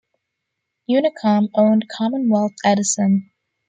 Unicom owned Commonwealth Edison.